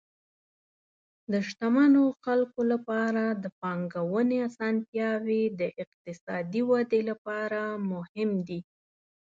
د شتمنو خلکو لپاره د پانګونې اسانتیاوې د اقتصادي ودې لپاره مهم دي.